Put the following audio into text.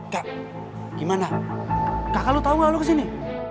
kak gimana kakak lu tau gak lu kesini